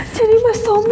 jadi mas tommy